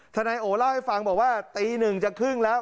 นายโอเล่าให้ฟังบอกว่าตีหนึ่งจะครึ่งแล้ว